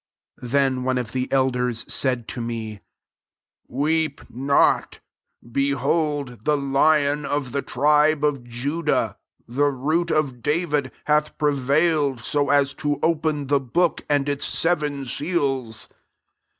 5 Then one of the elders said ID me, " Weep not : behold, the lion of the tribe of Judah, the root of David, hath prevail ed 80 as to open the book, and its seven seals."